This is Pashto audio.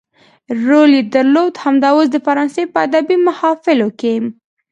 رول يې درلود همدا اوس د فرانسې په ادبي محافلو کې.